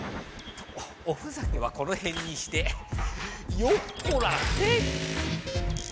おふざけはこのへんにしてよっこらせ！